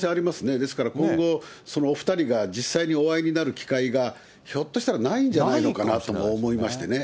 ですから今後、お２人が実際にお会いになる機会がひょっとしたら、ないんじゃないのかなとも思いましてね。